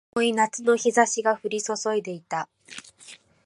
重い夏の日差しが降り注いでいた